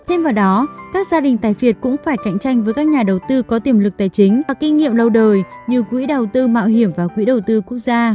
thêm vào đó các gia đình tài việt cũng phải cạnh tranh với các nhà đầu tư có tiềm lực tài chính và kinh nghiệm lâu đời như quỹ đầu tư mạo hiểm và quỹ đầu tư quốc gia